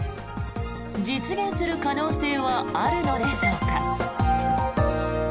実現する可能性はあるのでしょうか。